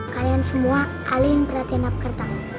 kalian semua alihin perhatian apkertan